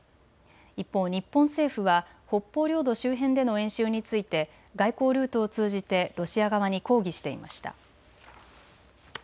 一方、日本政府は北方領土周辺での演習について外交ルートを通じてロシア側に抗議していました。